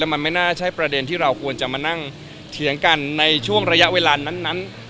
มันไม่น่าใช่ประเด็นที่เราควรจะมานั่งเถียงกันในช่วงระยะเวลานั้น